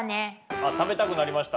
あっ食べたくなりました？